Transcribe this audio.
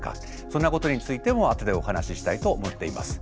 そんなことについても後でお話ししたいと思っています。